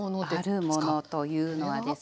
あるものというのはですね